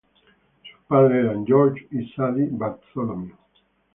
Sus padres eran George y Sadie Bartholomew.